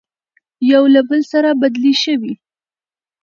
يو له بل سره بدلې شوې،